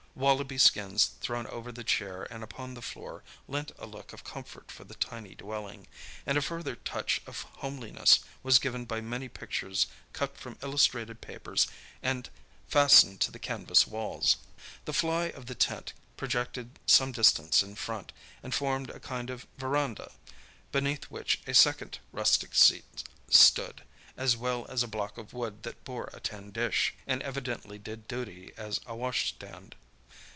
Wallaby skins thrown over the chair and upon the floor lent a look of comfort to the tiny dwelling; and a further touch of homeliness was given by many pictures cut from illustrated papers and fastened to the canvas walls. The fly of the tent projected some distance in front, and formed a kind of verandah, beneath which a second rustic seat stood, as well as a block of wood that bore a tin dish, and evidently did duty as a washstand.